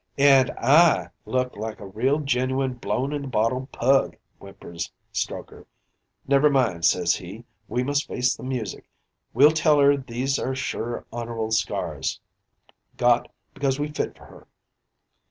"'An' I look like a real genuine blown in the bottle pug,' whimpers Strokher. 'Never mind,' says he, 'we must face the music. We'll tell her these are sure honourable scars, got because we fit for her.'